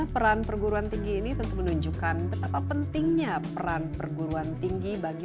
peran perguruan tinggi ini tentu menunjukkan betapa pentingnya peran perguruan tinggi bagi